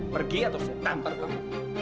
pergi atau saya tampar kamu